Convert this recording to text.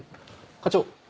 課長。